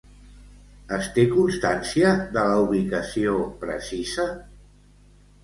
Es té constància de la ubicació precisa?